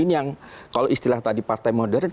ini yang kalau istilah tadi partai modern